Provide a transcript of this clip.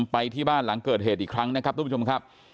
ไปที่บ้านหลังเกิดเหตุอีกครั้งนะครับทุกผู้ชมครับ